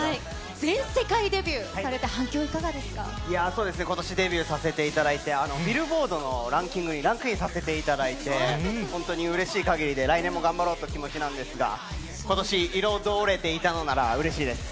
全世界デビューされて、反響いかいやぁ、そうですね、ことしデビューさせていただいて、ビルボードのランキングにランクインさせていただいて、本当にうれしいかぎりで、来年も頑張ろうという気持ちなんですが、ことし、彩れていたのならうれしいです。